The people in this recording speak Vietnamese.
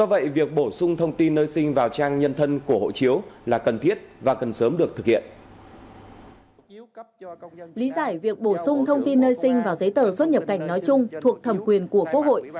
việc bổ sung thông tin nơi sinh vào giấy tờ xuất nhập cảnh nói chung thuộc thẩm quyền của quốc hội